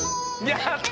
やった！